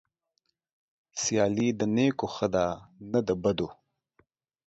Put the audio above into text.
سيالي د نيکو ښه ده نه د بدو.